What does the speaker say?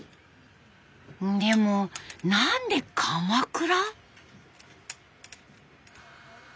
でも何で鎌倉？